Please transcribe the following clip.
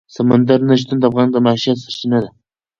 سمندر نه شتون د افغانانو د معیشت سرچینه ده.